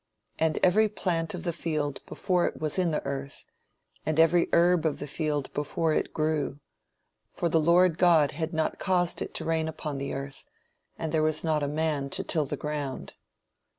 "And every plant of the field before it was in the earth, and every herb of the field before it grew; for the Lord God had not caused it to rain upon the earth, and there was not a man to till the ground.